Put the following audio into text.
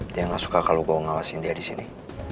dia gak suka kalau gue ngawasin dia disini